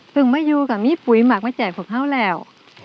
เพิ่งมาอยู่กับมีปุ๋ยหมักมาแจกของข้าวแล้ว